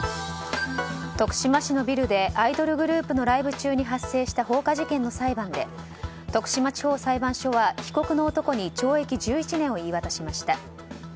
徳島市のビルでアイドルグループのライブ中に発生した放火事件の裁判で徳島地方裁判所は被告の男に懲役１１年を言い渡しました。